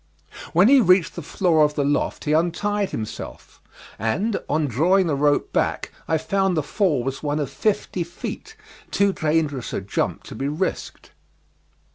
When he reached the floor of the loft he untied himself, and on drawing the rope back I found the fall was one of fifty feet too dangerous a jump to be risked.